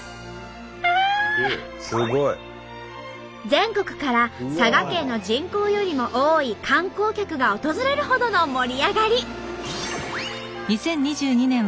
全国から佐賀県の人口よりも多い観光客が訪れるほどの盛り上がり。